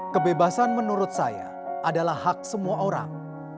kebebasan menurut saya adalah hak semua orang